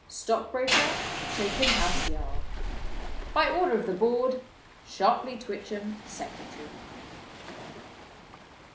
Stockbroker, Tokenhouse Yard. "By order of the Board, "SHARPLY TWITCHEM, Secretary."